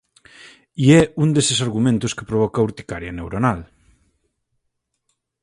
E é un deses argumentos que provoca urticaria neuronal.